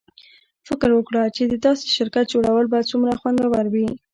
فکر وکړه چې د داسې شرکت جوړول به څومره خوندور وي